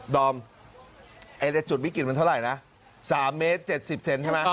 ดอมจุดวิกิจมันเท่าไรนะ๓เมตร๗๐เซนติเมตรใช่ไหม